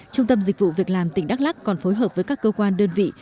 trung tâm dịch vụ việc làm tỉnh đắk lắc còn phối hợp với các cơ quan đơn vị